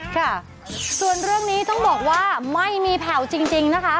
ค่ะส่วนเรื่องนี้ต้องบอกว่าไม่มีแผ่วจริงนะคะ